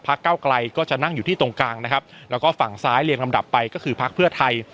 เก้าไกลก็จะนั่งอยู่ที่ตรงกลางนะครับแล้วก็ฝั่งซ้ายเรียงลำดับไปก็คือพักเพื่อไทย